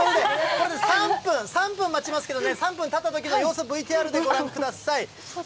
３分待ちますけどね、３分たったときの様子、ＶＴＲでご覧ください。